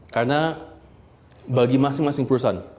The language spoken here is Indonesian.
karena bagi masing masing perusahaan